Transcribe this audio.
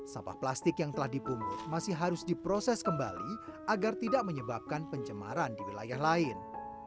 sampah plastik yang telah dipungut masih harus diproses kembali agar tidak menyebabkan pencemaran di wilayah lain